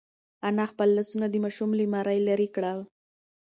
انا خپل لاسونه د ماشوم له مرۍ لرې کړل.